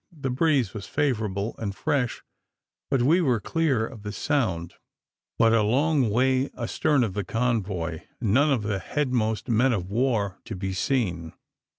The breeze was favourable and fresh; but we were clear of the Sound, but a long way astern of the convoy, and none of the headmost men of war to be seen.